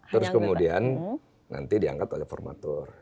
terus kemudian nanti diangkat oleh formatur